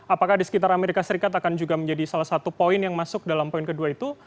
apakah di sekitar amerika serikat akan juga menjadi salah satu poin yang masuk dalam poin kedua itu